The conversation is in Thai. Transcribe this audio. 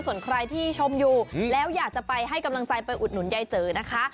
ส่วนใครที่ชมอยู่แล้วอยากจะไปให้กำลังใจไปอุดหนุนยายเจ๋อนะคะ